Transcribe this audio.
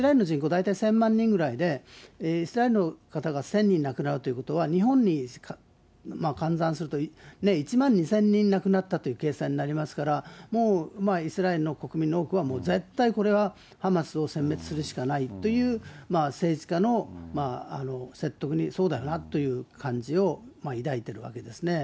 大体１０００万人ぐらいで、イスラエルの方が１０００人亡くなるということは、日本に換算すると１万２０００人亡くなったという計算になりますから、もうイスラエルの多くの国民は、もう絶対これはハマスをせん滅するしかないという政治家の説得にそうだよなという感じを抱いているわけですね。